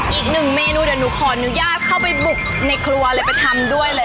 อีกหนึ่งเมนูเดี๋ยวหนูขออนุญาตเข้าไปบุกในครัวเลยไปทำด้วยเลย